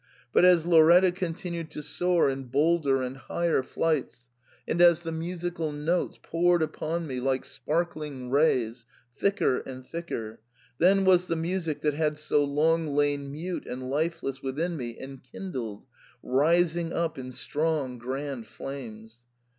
But as Lauretta continued to soar in bolder and higher flights, and as the musical notes poured upon me like sparkling rays, thicker and thicker, then was the music that had so long lain mute and lifeless with in me enkindled, rising up in strong, grand flames.